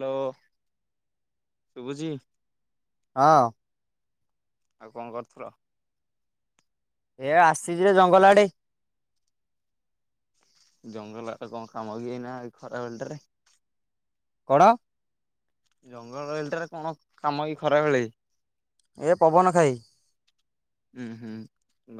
Hello ଶୁଭୁଚି? ହଁ। ଆଉ କଣ କରୁଥିଲ? ଏ ଆସିଛିରେ ଜଙ୍ଗଲ ଆଡେ। ଜଙ୍ଗଲ ଆଡେ କଣ କାମ କି ଏଇନା ଖରାବେଳ ଟାରେ? କଣ? ଜଙ୍ଗଲ ଏଇଟାରେ କଣ କାମ ଏଇ ଖରାବେଳେ? ଏ ପବନ ଖାଇ ହୁଁ ହୁଁ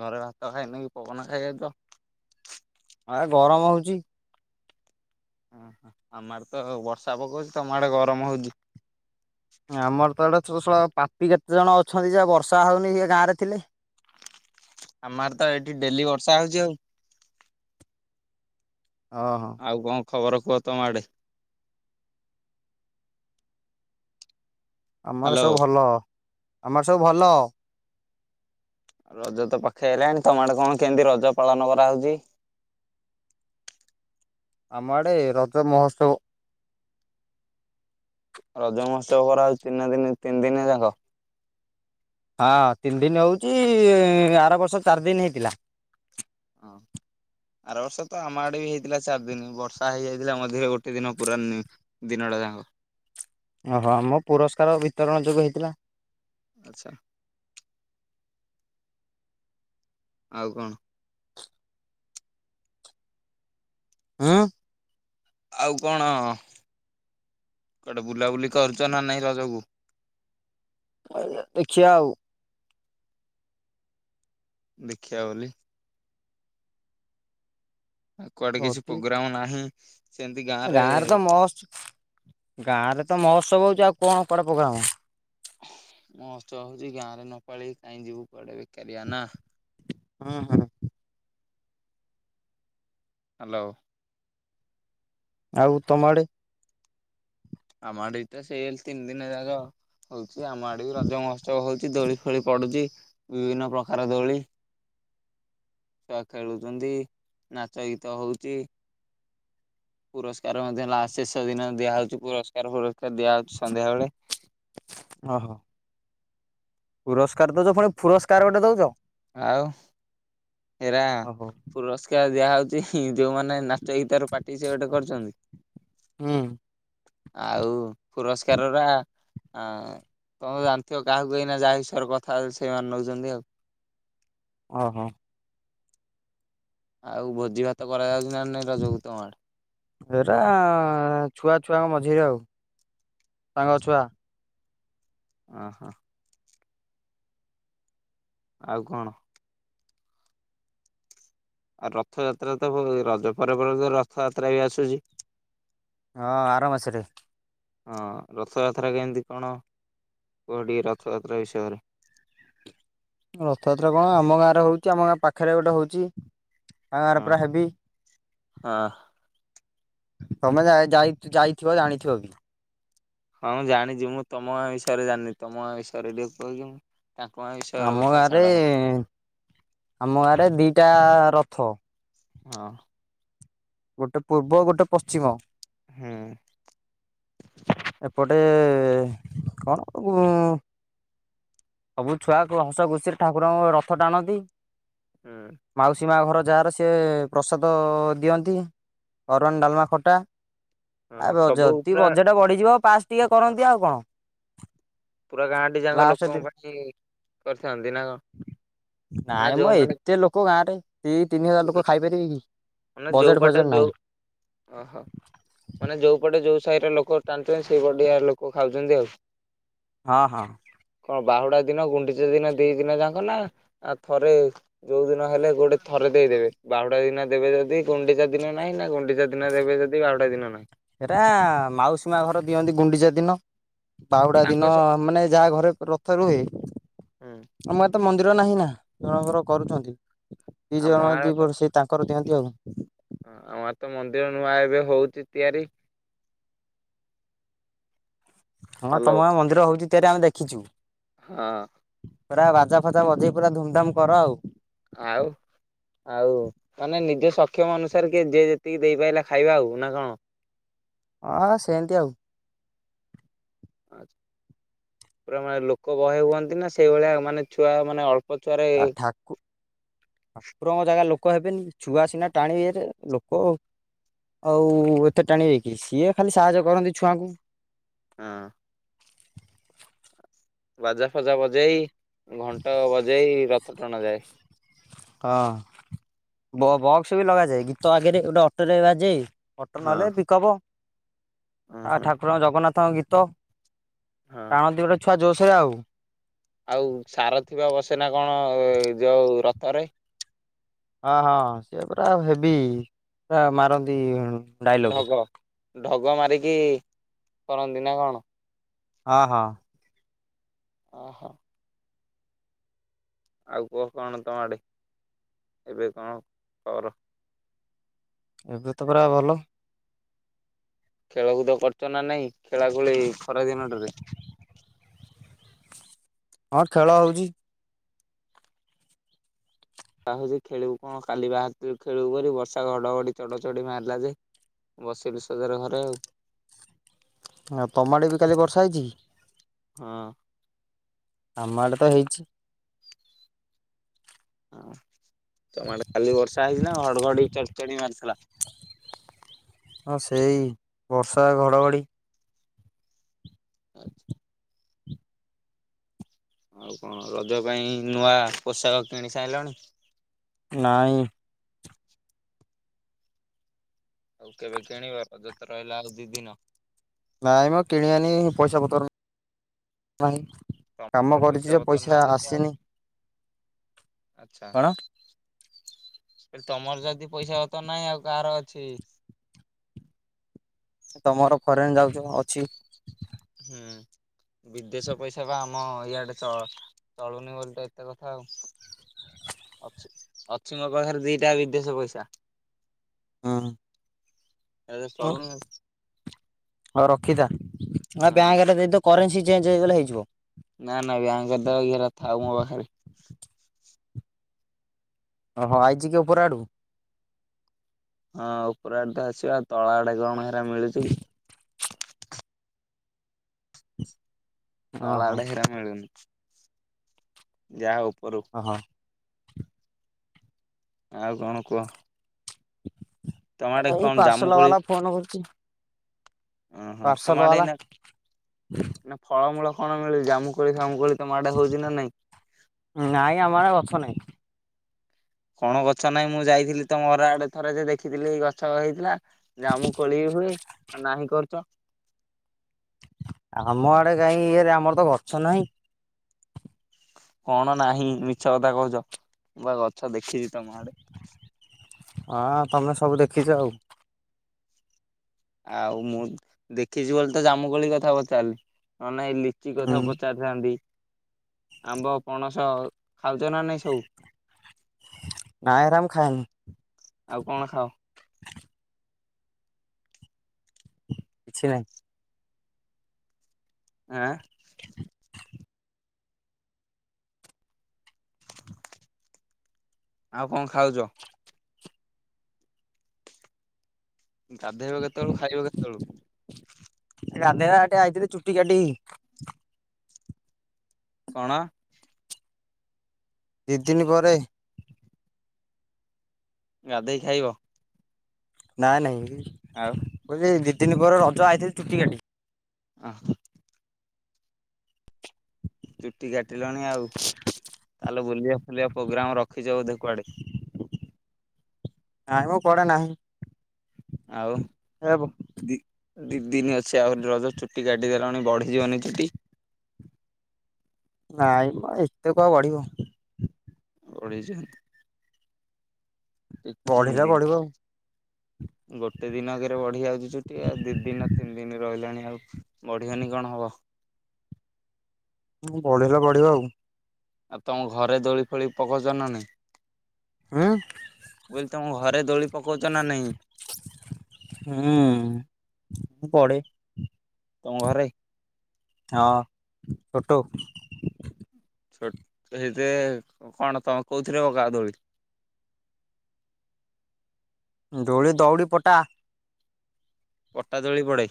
ଘରେ ଭାତ ଖାଇନି କି ପବନ ଖାଇ ଆଉଚ? ଆ ଗରମ ହଉଛି। ଓ ଆମ ଆଡେ ତ ବର୍ଷା ପକଉଛି ତମ ଆଡେ ଗରମ ହଉଛି। ଆମର ତ ଆଡ଼େ ଯୋଉ ଶଳା ପାପି କେତେ ଜଣ ଅଛନ୍ତି ଯେ ବର୍ଷା ହଉନି ସେ ଗାଁରେ ଥିଲେ। ଆମ ଆଡେ ତ ଏଇଠି ଡେଲି ବର୍ଷା ହଉଛି ଆଉ। ଓ ହୋ। ଆଉ କଣ ଖବର କୁହ ତମ ଆଡ଼େ? ଆମର ହ୍ୟାଲୋ। ସବୁ ଭଲ। ଆମର ସବୁ ଭଲ। ଆଉ ରଜ ତ ପାଖେଇ ଆଇଲାଣି, ତମ ଆଡେ କଣ କେମିତି ରଜ ପାଳନ କରାହଉଛି? ଆମ ଆଡେ ରଜ ମହୋତ୍ସବ ରଜ ମହୋତ୍ସବ କରାହଉଛି ତିନି ଦିନ ତିନି ଦିନ ଯାକ? ହଁ ତିନି ଦିନ ହଉଛି ଆର ବର୍ଷ ଚାରି ଦିନ ହେଇଥିଲା। [inaudible] ଆର ବର୍ଷ ତ ଆମ ଆଡେ ବି ହେଇଥିଲା ଚାରି ଦିନି, ବର୍ଷା ହେଇଯାଇଥିଲା ମଧ୍ୟ ଗୋଟେ ଦିନ ପୁରାନ ଦିନଟା ଯାକ। ଓହୋ ଆମ ପୁରସ୍କାର ବିତରଣ ଯୋଗୁ ହେଇଥିଲା। ଆଚ୍ଛା। ଆଉ କଣ? ହଁ। ଆଉ କଣ? କୁଆଡ଼େ ବୁଲାବୁଲି କରୁଛ ନା ନାଇଁ ରଜକୁ? ଦେଖିଆ ଆଉ। ଦେଖିବା ବୋଲି। କୁଆଡେ କିଛି ଯଦି ପ୍ରୋଗ୍ରାମ ନାହିଁ? ଗାଁରେ ତ ମହୋତ୍ସ ଗାଁରେ ତ ମହୋତ୍ସବ ହଉଛି ଆଉ କଣ କୁଆଡେ ପୋଗ୍ରାମ। ମହୋତ୍ସବ ହଉଛିି ଗାଁରେ ନପାଳିକି କାହିଁ ଯିବୁ କୁଆଡେ ବେକାରିଆ ନା? ହଁ ହଁ। ହ୍ୟାଲୋ। ଆଉ ତମ ଆଡେ। ଆଁ ମା ରତ ସେଲସ ତିନ ଦିନ ଯାକ। ହଉଛି ଆମ ଆଡେ ବି ରଜ ମହୋତ୍ସବ ହଉଛି ଦୋଳି ଫୋଳି ପଡୁଛି ବିଭିନ୍ନ ପ୍ରକାର ଦୋଳି। ଛୁଆ ଖେଳୁଛନ୍ତି, ନାଚ ଗୀତ ହଉଛି। ପୁରସ୍କାର ମଧ୍ୟ ଲାଷ୍ଟ ଶେଷ ଦିନ ଦିଆହଉଛି ପୁରସ୍କାର ଫୁରସ୍କାର ଦିଆହଉଛି ସନ୍ଧ୍ୟାବେେଳେ। ଓ ହୋ। ପୁରସ୍କାର ଦଉଚ ପୁଣି ଫୁରସ୍କାର ଗୋଟେ ଦଉଛ। ଆଉ ଏରା ଓହୋ। ପୁରସ୍କାର ଦିଆ ହଉଛି ଯୋଉମାନେ ନାଚ, ଗୀତ ର ପାଟି ସେ ଗୋଟେ କରିଛନ୍ତି। ହୁଁ। ଆଉ ପୁରସ୍କାର ଟା ଆ ତମେ ଜାଣିଥିବ କାହାକୁ ଏଇନା ଯାହା ହିଷୟରେ କଥା ହଉଚି ସେମାନେ ନଉଛନ୍ତି ଆଉ। ଓ ହୋ। ଆଉ ଭୋଜି ଭାତ କରାଯାଉଛି ନା ନାଇଁ ରଜକୁ ତମଆଡ଼େ? ଏଇଟା ଛୁଆ ଛୁଆଙ୍କ ମଝିରେ ଆଉ ସାଙ୍ଗ ଛୁଆ। ଓ ହୋ। ଆଉ କଣ? ଆଉ ରଥଯାତ୍ରା ତ ରଜ ପରେ ପରେ ତ ରଥଯାତ୍ରା ବି ଆସୁଛି। ହଁ, ଆର ମାସରେ। ହଁ ରଥଯାତ୍ରା କେମିତି କଣ? କୁହ ଟିକେ ରଥଯାତ୍ରା ବିଷୟରେ। ରଥଯାତ୍ରା କଣ, ଆମ ଗାଁରେ ହଉଛି, ଆମ ଗାଁ ପାଖରେ ଗୋଟେ ହଉଛି, ପାୱାର ହଁ। ପୁରା ହେବି। ହଁ। ତମେ ଯାଇ ଯାଇଥିବ ଜାଣିଥିବ ବି। ହଁ ମୁଁ ଜାଣିଛି ମୁଁ ତମଗାଁ ବିଷୟରେ ଜାଣିନି ତମ ଗାଁ ବିଷୟରେ ଟିକେ କହି ଦଉନ। ତାଙ୍କ ଗାଁ ବିଷୟରେ ଆମ କଥା ଗାଁରେ ଛାଡ। ଆମ ଗାଁରେ ଦିଟା ରଥ। ହଁ। ଗୋଟେ ପୂର୍ବ ଗୋଟେ ପଶ୍ଚିମ। ହୁଁ। ଏପଟେ କଣ? [unintelligible] ସବୁ ଛୁଆ ଯାକ ହସ ଖୁସିରେ ଠାକୁରଙ୍କ ରଥ ଟାଣନ୍ତି। ହୁଁ। ମାଉସୀ ମା ଘର ଯାହାର ସିଏ ପ୍ରସାଦ ଦିଅନ୍ତି। ଅରୁଆ, ଡାଲମା, ଖଟା ହଁ ଆଉ ସବୁ ଯଦି ବଜେଟ୍ ବଢିଯିବ ଆଉ ଯଦି ପୁରା ବଜେଟ ବଢ଼ିଯିବ ପାଶ। ଏତିକ କରନ୍ତି ଆଉ କଣ? ପୁରା ଗାଁଟି ଯାକ ଲାଷ୍ଟ ଦି ଲୋକଙ୍କ ବାକି କରିଥାନ୍ତି ନା କଣ? ନା ନାଇଁ ମଁ ଯୋଉମାନେ ଏତେ ଲୋକ ଗାଁ ରେ। ଦି ତିନି ହଜାର ଲୋକ ଖାଇପାରିବେ କି? ମାନେ ବଜେଟ ଯଉ ପଟେ ଫଜେଟ ଯଉ। ନାହିଁ। ଓହୋ, ମାନେ ଯେଉଁପଟେ ଯେଉଁ ସାହିର ଲୋକ ଟାଣୁଛନ୍ତି ସେଇପଟିକା ଲୋକ ଖାଉଛନ୍ତି ଆଉ। ହଁ ହଁ। କଣ ବାହୁଡା ଦିନ ଗୁଣ୍ଡିଚା ଦିନ ଦି ଦିନ ଯାକ ନା? ଆଉ ଥରେ ଯୋଉ ଦିନ ହେଲେ। ଗୋଟେ ଥରେ ଦେଇଦେବେ। ବାହୁଟା ଦିନ ଦେବେ ଯଦି ଗୁଣ୍ଡିଚା ଦିନ ନାହିଁ ନା ଗୁଣ୍ଡିଚା ଦିନ ଦେବେ ଯଦି ବାହୁଡ଼ା ଦିନ ନାହିଁ। ସେଇଟା ମାଉସୀ ମା ଘର ଦିଅନ୍ତି ଗୁଣ୍ଡିଚା ଦିନ। ବାହୁଡା ଦିନ ତାଙ୍କ ସ ମାନେ ଯାହା ଘରେ ରଥ ରୁହେ। ହୁଁ ଆମ ଏତେ ମନ୍ଦିର ନାହିଁ ନା ଜଣଙ୍କର କରୁଛନ୍ତି। ଦି ଆମ ଜଣ ଦି ବର୍ଷେ ତା କରି ଦିଅନ୍ତି ଆଉ। ଆମରତ ମନ୍ଦିର ନୂଆ ଏବେ ହଉଛି ତିଆରି। ହଁ, ହ୍ୟାଲୋ ତମ ମନ୍ଦିର ହଉଛି ତିଆରି ଆମେ ଦେଖିଛୁ। ହଁ। ପୁରା ବାଜା ଫାଜା ବଜେଇ ପୁରା ଧୁମଧାମ କର ଆଉ। ଆଉ ଆଉ ମାନେ ନିଜ ସକ୍ଷମ ଅନୁସାରେ କିଏ ଯଏ ଯେତିକି ଦେଇପାରିଲ ଖାଇବା ଆଉ ନା କଣ? ହଁ ହଁ ସେମିତି ଆଉ। ଆ ପୁରା ମାନେ ଲୋକ ବହେ ହୁଅନ୍ତି ନା ସେଇଭଳିଆ ମାନେ ଛୁଆ ମାନେ ଅଳ୍ପ ଛୁଆରେ ଆ ଠାକୁ ଠାକୁରଙ୍କ ଜାଗା ଲୋକ ହେବେନି ଛୁଆ ସିନା ଟାଣରେ ଲୋକ ଆଉ ଏତେ ଟାଣିବକରି ସିଏ ଖାଲି ସାହାଯ୍ୟ କରନ୍ତି ଛୁଆଙ୍କୁ। ହଁ ବାଜା ଫଜା ବଜେଇ ଘଣ୍ଟ ବଜେଇ ରଥ ଟଣା ଯାଏ। ହଁ ବକ୍ସ ବି ଲଗାଯାଏ ଗୀତ ଆଗରେ ଗୋଟେ ଅଟୋ ରେ ବାଯେ ଅଟନ ହଁ ହେଲେ ବିକୋବ ଅ ଆଉ ହଁ ଠାକୁରଙ୍କ ଜଗନ୍ନାଥଙ୍କ ଗୀତ। ହଁ। ଟାଣନ୍ତି ଗୋଟେ ଛୁଆ ଜୋରସରେ ଆଉ। ଆଉ ସାର ଥିବା ବସେନା କଣ ଯୋଉ ରଥରେ ହଁ ହଁ ସିଏ ପୁରା ହେବି ପୁରା ମାରନ୍ତି ଡାଇଲଗ ଢଗ ଢଗ ମାରିକି କରନ୍ତି ନା କଣ? ଅ ହଁ ଓହୋ ଆଉ କୁହ କଣ ତମ ଆଡ଼େ ଏବେ କଣ କର? ଏବେ ତ ପୁରା ଭଲ। ଖେଳକୁଦ କରଛ ନା ନାଇଁ ଖେଳା ଖେଳି ଖରାଦିନଟରେ? ହଁ ଖେଳ ହଉଛି। ବା ହଉଛି ଖେଳିବୁ କଣ କାଲି ବାହାର ଖେଳୁ ପରି ବର୍ଷା ଘଡଘଡି ଚଢ ଚଢ ମାରିଲା ଯେ ବସିଛି ସଦଳେ ଘରେ ଆଉ। ଆଉ ତମାଟେ ବି କାଲି ବର୍ଷା ହେଇଛି। ହଁ ଆମ ଆଡେ ତ ହେଇଛି। ହଁ ତମର କାଲି ବର୍ଷା ହେଇଛି ନା ଘଡଘଡି ଚଢ ଚଢ ମାରିଥିଲା? ହଁ ସେଇ ବର୍ଷା ଘଡଘଡି। ଆଚ୍ଛା। ଆଉ କଣ ରଜ ପାଇଁ ନୂଆ ପୋଷାକ କିଣି ସାରିଲଣି? ନାଇଁ ଆଉ କେ। ବେ କିଣିବ ରଜତେ ରହିଲା ଆଉ ଦି ଦିନ ନାଇଁ ମୁଁ କିଣ ଆନି ପଇସା ପତ୍ର ନାହିଁ। କାମ ତମର କରୁଛିୁ ଯେ ପତର ପଇସା ନାହିଁ ଯଦି ଆଉ ଆସିନି ଆଚ୍ଛା କଣ? ତମର ଯଦି ପଇସା ହ ତ ନାଇ ଆଉ କାହାର ଅଛି। ତମର ଫରେନ ଯାଉଛ ଅଛି। ହୁଁ ବିଦେଶ ପଇସା ବା ଆମ ଇଆଡେ ଚଳୁନି ବୋଲିଟେ ଏତେ କଥା ଆଉ। ଅଛି ଅଛି ମୋ ପାଖରେ ଦିଟା ବିଦେଶ ପଇସା। ହଁ ଆଦେରେ ଚଳୁନୁ। ହଉ ରଖିଥା ହଁ। ବ୍ୟାଙ୍କ ରେ କରେନ୍ସି ଚେଞ୍ଜ ହେଇଗଲେ ହେଇଯିବ। ନା ନା ବ୍ୟାଙ୍କର ଦେ ଘର ଥାଉ ମୋ ପାଖରେ। ଓହଁ ଆଇଛି କି ଉପର ଆଡୁ? ହଁ ଉପର ଆଡେ ତ ଆସିବା ତଳା ଆଡେ କଣ ହେରା ମିଳୁଛି କି। ଓହୋ ତୋଳାବଡ଼ ହିରା ମିଳୁନି। ଯାହା ଉପରୁ ଓହ। ଆଉ କଣ କୁହ? ତମ ଆଡେ ଏଇ କଣ ପାର୍ସଲ ଜାମୁକୋଳି ବାଲା ଫୋନ କରୁଛି। ଓହୋ ପାର୍ସଲ ତମ ଆଡେ ବାଲା ଏଇନା ନା ଫଳମୂଳ କଣ ମିଳୁଚି ଜାମୁ କୋଳି ଫାମୁ କୋଳି ତମ ଆଡେ ହଉଛି ନା ନାଇଁ? ନାଇଁ ଆମ ଆଡେ ଗଛ ନାହିଁ। କଣ ଗଛ ନାଇଁ ମୁଁ ଯାଇଥିଲି ତ ଘର ଆଡେ ଥରେ ଯେ ଦେଖିଥିଲି ଗଛ ହେଇଥିଲା। ଜାମ୍ମୁ କୋଳିି ହୁଏ ଆଉ ନାହିଁ କରୁଛ। ଆମ ଆଡେ କାଇଁ ଇଏରେ ଆମର ତ ଗଛ ନାହିଁ। କଣ ନାହିଁ ମିଛ କଥା କହୁଛ ମୁଁ ବା ଗଛ ଦେଖିଛି ତମ ଆଡେ। ଅ ତମେ ସବୁ ଦେଖିଛ ଆଉ। ଆଉ ମୁଁ ଦେଖିଛି ବୋଲି ତ ଜାମୁକୋଳି କଥା ପଚାରିଲି ନ ହେଲେ ନାଇଁ ଲିଚି କଥା ହୁଁ ପଚାରି ଥାନ୍ତି ଆମ୍ବ, ପଣସ ଖାଉଛ ନା ନାଇଁ ସବୁ? ନାଇଁ ଏରା ମୁଁ ଖାଏନି। ଆଉ କଣ ଖାଅ? କିଛି ନାହିଁ। ଆଁ। [inaudible] ଆଉ କଣ ଖାଉଛ? ଗାଧେଇବ କେତେବେଳୁ ଖାଇବ କେତେବେଳୁ? ଗାଧେଇବା ଆ ଟିକେ ଆଇଥିଲି ଚୁଟି କାଟିି। କଣ? ଦି ଦିନ ପରେ। ଗାଧେଇ ଖାଇବ। ନାଇଁ ନାଇଁ। ଆଉ? [unintelligible] ଦି ଦିନ ପରେ ରଜ ଆଇଥିଲି ଚୁଟି କାଟି। ଆଁ। ଚୁଟି କାଟିଲଣି ଆଉ ତାହେଲେ ବୁଲିବା ଫୁଲିବା ପୋଗ୍ରାମ ରଖିଛ ବୋଧେ କୁଆଡେ? ନାଇଁ ମ କୁଆଡେ ନାହିଁ। ଆଉ ଏବଂ ଦି ଦି ଦିନ ଅଛି ଆହୁରି ରଜ ଚୁଟି କାଟିଦେଲଣି ବଢିଯିବନି ଚୁଟି? ନାଇଁ ମ ଏତେ କଁ ଆଉ ବଢିବ? ଓଡ଼ିଶା। ବଢିଲେ ବଢିବ ଆଉ [unintelligible] ଗୋଟେ ଦିନକରେ ବଢିଆଉଛି ଚୁଟି ଆଉ ଦି ଦିନ ତିନି ଦିନ ରହିଲାଣି ଆଉ। ବଢିବନି କଣ ହବ? ହଁ ବଢିଲେ ବଢିବ ଆଉ। ଆଉ ତମ ଘରେ ଦୋଳି ଫୋଳି ପକଉଛ ନା ନାଇଁ? ଉଁ। ମୁଁ କହିଲି ତମ ଘରେ ଦୋଳି ପକଉଛ ନା ନାହିଁ? ହଁ ମୁଁ ପଢେ। ତମ ଘରେ? ହଁ ଛୋଟୁ ଛୋଟ ସେଇରେ କଣ ତମେ କୋଉଥିରେ ଗା ଦୋଳି। ଦୋଳି ଦଉଡ଼ି ପଟା। ପଟା ଦୋଳି ପଡେ।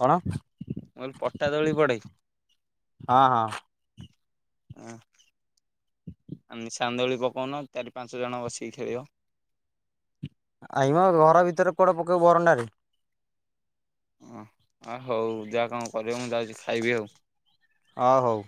କଣ ପଟା ଦୋଳି ପଡେ। ହଁ ହଁ ହ [unintelligible] ଆମ ସାନ୍ଦୋଳି ପକାଉନ ଚାରି ପାଞ୍ଚ ଜଣ ବସିକି ଖେଳିବ। ଆଇ ମ ଘର ଭିତରେ କୁଆଡ଼େ ପକେଇବ ବରଣ୍ଡାରେ। ଓହ ଆ ହଉ ଯାହା କଣ କରବ, ମୁଁ ଯାଉଛି ଖାଇବି ଆଉ। ହଁ ହଉ।